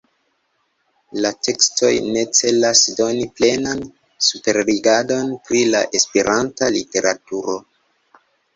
La tekstoj ne celas doni plenan superrigardon pri la Esperanta literaturo.